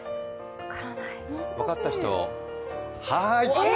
分かった人、はーい！